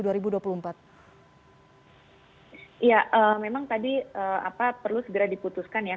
ya memang tadi perlu segera diputuskan ya